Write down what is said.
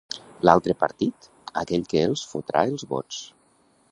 L'altre partit, aquell que els "fotrà" els vots.